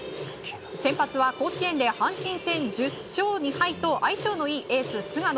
先発は甲子園で阪神戦１０勝２敗と相性のいいエース、菅野。